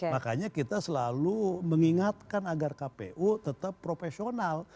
makanya kita selalu mengingatkan agar kpu tetap profesional